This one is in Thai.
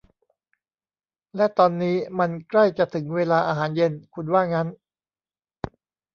และตอนนี้มันใกล้จะถึงเวลาอาหารเย็น คุณว่างั้น ?